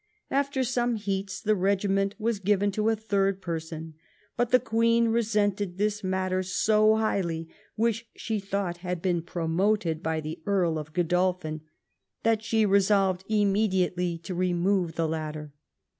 After some heats, the regiment was given to a third person: But, the Queen resented this mat ter 80 highly, which she thought had been promoted 876 JONATHAN SWIFT'S VIEWS by the Earl of Gbdolphin, that she resolved immedi ately to remove the latter.